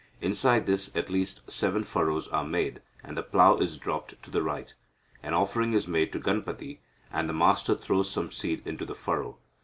Inside this at least seven furrows are made, and the plough is dropped to the right. An offering is made to Ganapathi, and the master throws some seed into the furrow.